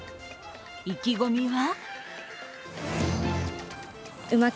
意気込みは？